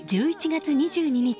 １１月２２日